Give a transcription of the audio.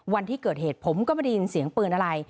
วันที่เกิดเหตุผมก็ไม่ได้ยินเสียงปืนอะไร